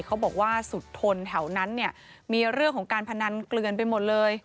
เขาบอกว่าสุดทนแถวนั้นเนี่ยมีเรื่องของการพนันเกลือนไปหมดเลย